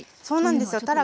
そうなんですよ。